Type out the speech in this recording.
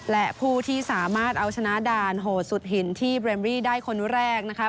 และผู้ที่สามารถเอาชนะด่านโหดสุดหินที่เบรมรี่ได้คนแรกนะคะ